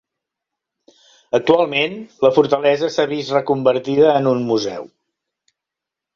Actualment, la fortalesa s'ha vist reconvertida en un museu.